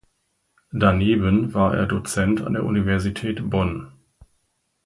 Daneben war er Dozent an der Universität Bonn.